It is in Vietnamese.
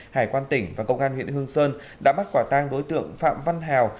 hải quan tỉnh và công an huyện hương sơn đã bắt quả tang đối tượng phạm văn hào